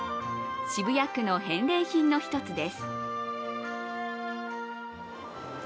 渋谷区の返礼品の一つです。